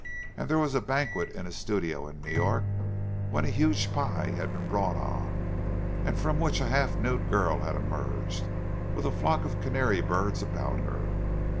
And there was a banquet in a studio in New York, when a huge pie had been brought on, from which a half nude girl had emerged, with a flock of canary birds about her!